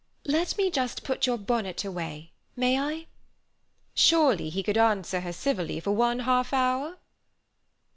"Let me just put your bonnet away, may I?" "Surely he could answer her civilly for one half hour?"